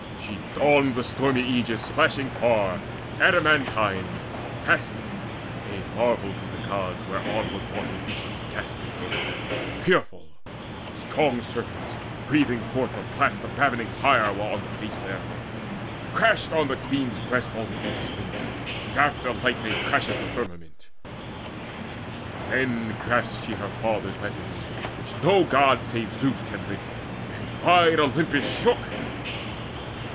She donned the stormy Aegis flashing far, Adamantine, massy, a marvel to the Gods, Whereon was wrought Medusa's ghastly head, Fearful: strong serpents breathing forth the blast Of ravening fire were on the face thereof. Crashed on the Queen's breast all the Aegis links, As after lightning crashes the firmament. Then grasped she her father's weapons, which no God Save Zeus can lift, and wide Olympus shook.